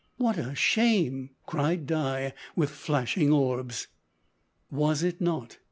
"What a shame!" cried Di, with flashing orbs. "Was it not?